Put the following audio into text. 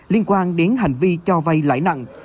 liên quan đến hành vi cho vây lãi nặng